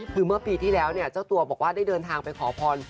คือเมื่อปีที่แล้วเนี่ยเจ้าตัวบอกว่าได้เดินทางไปขอพร